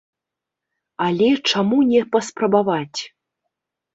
Але чаму не паспрабаваць?